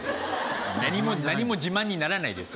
何も自慢にならないです